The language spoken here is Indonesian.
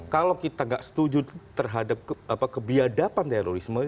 kalau kita gak setuju terhadap kebiadaban terorisme